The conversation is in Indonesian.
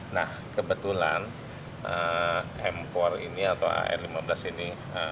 nah kebetulan m empat ini atau ar lima belas ini